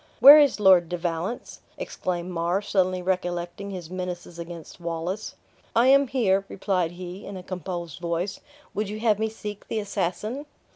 "Where is Lord de Valence?" exclaimed Mar, suddenly recollecting his menaces against Wallace. "I am here," replied he, in a composed voice; "would you have me seek the assassin?"